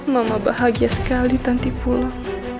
mama bahagia sekali tanti pulo